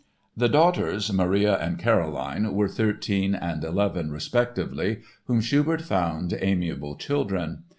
The daughters, Maria and Caroline, were thirteen and eleven, respectively, whom Schubert found "amiable children."